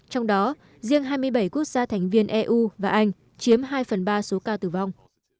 trong đó riêng hai mươi bảy quốc gia thành viên eu và anh chiếm hai phần ba số ca tử vong